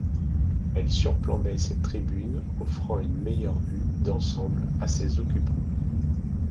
Elle surplombait cette tribune offrant une meilleure vue d'ensemble à ses occupants.